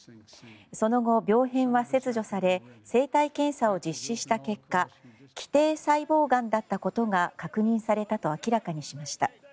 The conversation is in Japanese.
その後、病変は切除され生体検査を実施した結果基底細胞がんだったことが確認されたと明らかにしました。